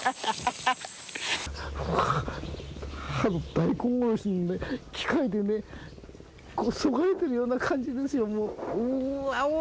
大根おろしの機械でそがれているような感じですよ。